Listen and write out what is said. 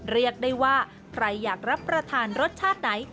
เรียกได้ว่าใครอยากรับประทานรสชาติไหน